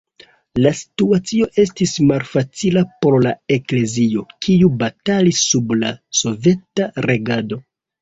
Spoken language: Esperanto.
La situacio estis malfacila por la eklezio, kiu batalis sub la soveta regado.